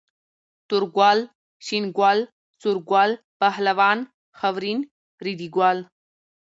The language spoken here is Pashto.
تور ګل، شين ګل، سور ګل، پهلوان، خاورين، ريدي ګل